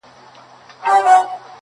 فضا له وېري او ظلم ډکه ده او درنه ده,